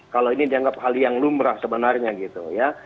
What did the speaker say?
kalau ini dianggap hal yang lumrah sebenarnya gitu ya